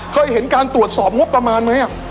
เคยเห็นการตรวจสอบงบประมาณไหม